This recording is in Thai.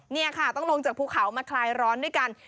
นี่ค่ะต้องลงจากภูเขามาคลายร้อนด้วยกัน